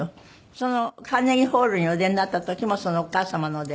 そのカーネギーホールにお出になった時もそのお母様ので？